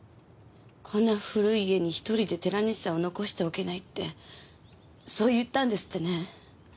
こんな古い家に１人で寺西さんを残しておけないってそう言ったんですってね。